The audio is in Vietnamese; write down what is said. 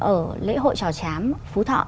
ở lễ hội trò chám phú thọ